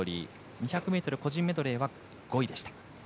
２００ｍ個人メドレーは５位でした。